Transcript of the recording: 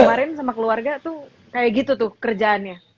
jadi kemarin sama keluarga tuh kayak gitu tuh kerjaannya